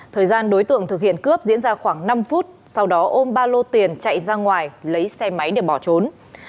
thời gian đối tượng thực hiện cướp diễn ra khoảng năm phút sau đó ôm ba lô tiền chạy ra ngoài lấy xe máy để bỏ trốn